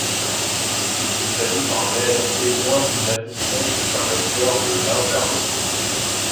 Il s'agit en réalité moins d'une addition que d'un vecteur de l'un vers l'autre.